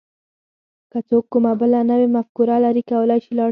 که څوک کومه بله نوې مفکوره لري کولای شي لاړ شي.